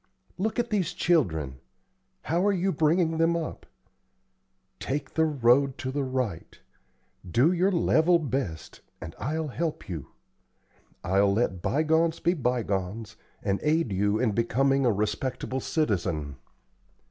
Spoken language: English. Look at these children. How are you bringing them up? Take the road to the right. Do your level best, and I'll help you. I'll let bygones be bygones, and aid you in becoming a respectable citizen."